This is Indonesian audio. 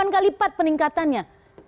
delapan kali lipat peningkatannya